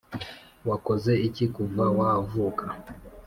wakoze iki kuva wavuka